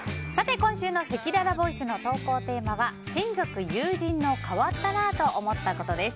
今週のせきららボイスの投稿テーマは親族・友人の変わったなぁと思ったことです。